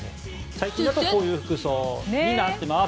最近こういう服装になってます。